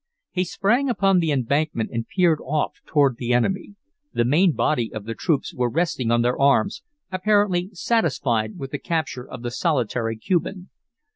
He sprang upon the embankment and peered off toward the enemy. The main body of the troops were resting on their arms, apparently satisfied with the capture of the solitary Cuban.